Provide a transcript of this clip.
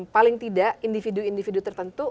paling tidak individu individu tertentu